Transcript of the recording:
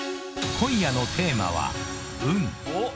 ［今夜のテーマは運］